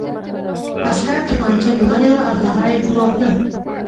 عسکر توپانچه نیولې وه او هغه یې ګواښه